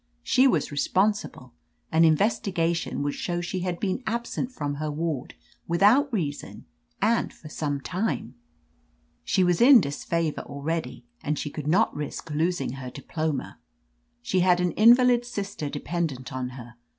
She was re sponsible: an investigation would show sh^ had been absent from her ward without reason, and for some time. She was in dis favor already, and she could not risk losing her diploma. She had an invalid sister de pendent on her.